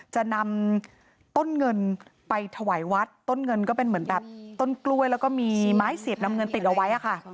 จะนำต้นเงินไปถวายวัดต้นเงินก็เป็นเหมือนแบบต้นกล้วยแล้วก็มีไม้เสียบนำเงินติดเอาไว้ค่ะ